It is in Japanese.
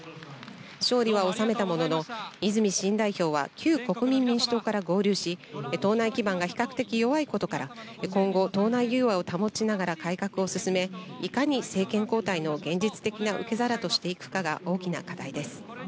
勝利は収めたものの、泉新代表は旧国民民主党から合流し、党内基盤が比較的弱いことから、今後、党内融和を保ちながら改革を進め、いかに政権交代の現実的な受け皿としていくかが大きな課題です。